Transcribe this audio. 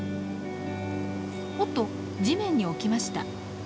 おっと地面に置きました。